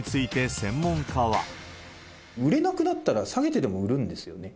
売れなくなったら、下げてでも売るんですよね。